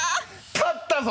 勝ったぞ！